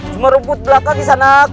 cuma rumput belakang gisanak